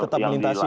tetap lintasi pak ya